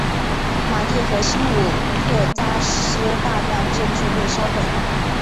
马蒂和新武特扎斯大量建筑被烧毁。